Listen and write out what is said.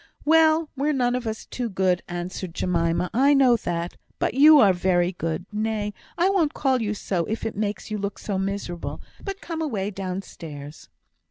"Well! we're none of us too good," answered Jemima; "I know that. But you are very good. Nay, I won't call you so, if it makes you look so miserable. But come away downstairs."